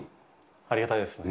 ありがたいです。